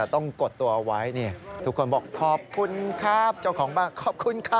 กดตัวเอาไว้ทุกคนบอกขอบคุณครับเจ้าของบ้านขอบคุณครับ